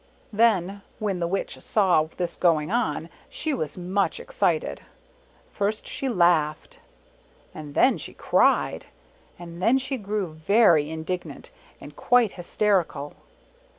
Then when the Witch saw this going on she was much excited. First she laughed, and then she cried, and then she grew very indignant and quite hysterical.